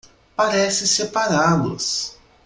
Parece separá-los